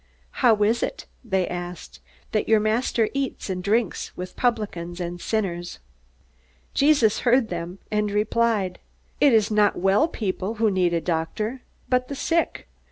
"How is it," they asked, "that your master eats and drinks with publicans and sinners?" Jesus heard them, and replied: "It is not well people who need a doctor, but the sick.